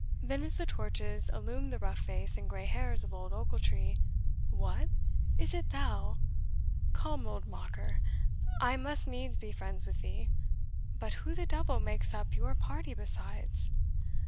Then as the torches illumed the rough face and grey hairs of old Ochiltree, "What! is it thou? Come, old Mocker, I must needs be friends with thee but who the devil makes up your party besides?"